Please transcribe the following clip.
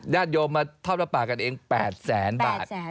ยาดยมเท่าละปากันเองแปดแสนบาท